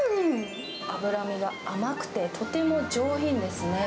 脂身が甘くて、とても上品ですね。